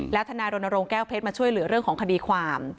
แล้วทนายโรนโรงแก้วเพชรมาช่วยเหลือของคดีความ